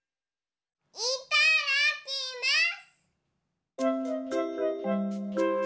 いただきます！